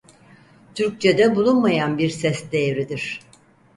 Türkçede bulunmayan bir ses değeridir.